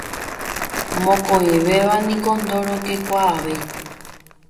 Mokõivéva niko ndorokekuaavéi.